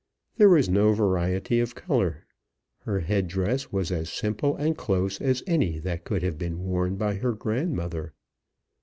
There was no variety of colour. Her head dress was as simple and close as any that could have been worn by her grandmother.